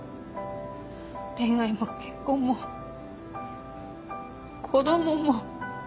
恋愛も結婚も子供も。